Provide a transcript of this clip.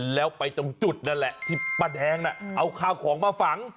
แล้วไปตรงจุดนั่นแหละที่ป้าแดงน่ะเอาข้าวของมาฝัง